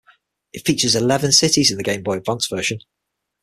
It features eleven cities in the Game Boy Advance version.